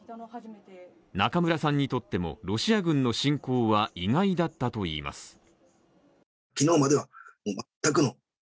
中村さんにとっても、ロシア軍の侵攻は意外だったといいます。